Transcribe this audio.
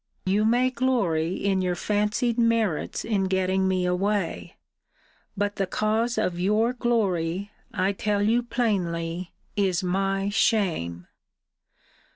You may glory in your fancied merits in getting me away: but the cause of your glory, I tell you plainly, is my shame.